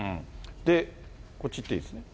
で、こっちいっていいですね。